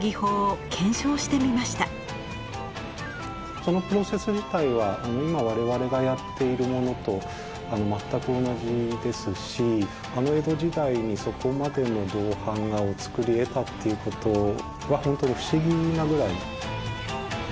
そのプロセス自体は今我々がやっているものと全く同じですしあの江戸時代にそこまでの銅版画を作り得たっていうことは本当に不思議なぐらい。